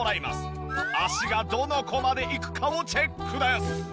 足がどの子までいくかをチェックです。